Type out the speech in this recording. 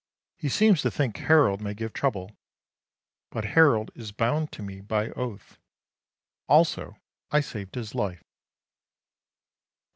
He seems to think Harold may give trouble. But Harold is bound to me by oath. Also I saved his life.